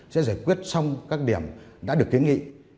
sẽ giải quyết xong các điểm đã được kiến nghị